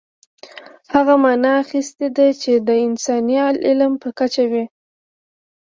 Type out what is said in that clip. هغه معنا اخیستې ده چې د انساني عالم په کچه وي.